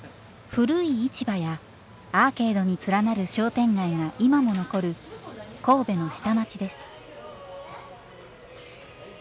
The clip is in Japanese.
古い市場やアーケードに連なる商店街が今も残る神戸の下町です。